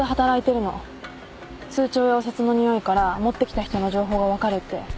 通帳やお札のにおいから持ってきた人の情報が分かるって。